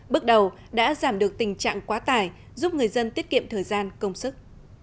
bước đầu đã giảm được tình trạng quá tải giúp người dân tiết kiệm thời gian công sức